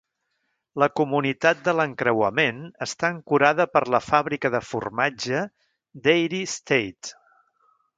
La comunitat de l'encreuament està ancorada per la fàbrica de formatge Dairy State.